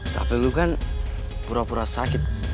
tapi lu kan pura pura sakit